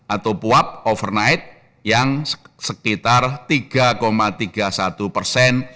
atau puap overnight yang sekitar tiga tiga puluh satu persen